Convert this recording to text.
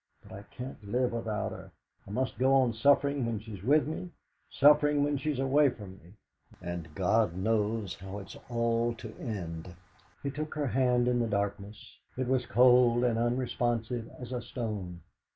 But I can't live without her. I must go on suffering when she's with me, suffering when she's away from me. And God knows how it's all to end!' He took her hand in the darkness; it was cold and unresponsive as a stone.